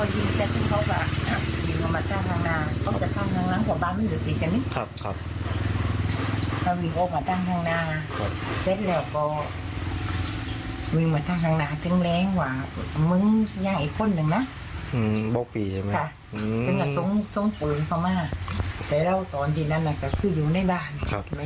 ยังไม่ทรงปืนมากแน่แล้วตอนที่นั้นอะคืออยู่ในบ้าน